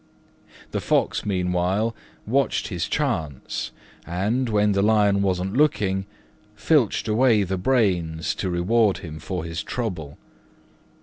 The Fox, meanwhile, watched his chance and, when the Lion wasn't looking, filched away the brains to reward him for his trouble.